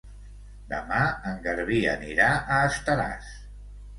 Demà en Garbí anirà a Estaràs.